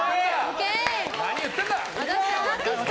何言ってんだ！